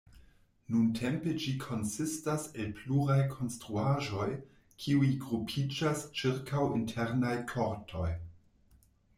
Nuntempe ĝi konsistas el pluraj konstruaĵoj kiuj grupiĝas ĉirkaŭ internaj kortoj.